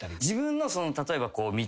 自分の例えば。